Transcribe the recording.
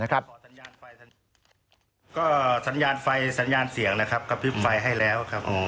ก็สัญญาณไฟสัญญาณเสี่ยงนะครับกระพริบไฟให้แล้วครับ